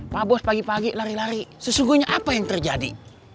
pak bos pagi pagi lari lari sesungguhnya apa yang terjadi